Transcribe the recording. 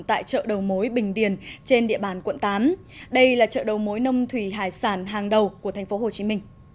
tại chợ đầu mối bình điền trên địa bàn quận tám đây là chợ đầu mối nông thủy hải sản hàng đầu của tp hcm